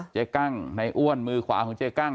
กั้งในอ้วนมือขวาของเจ๊กั้ง